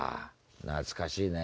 懐かしいね。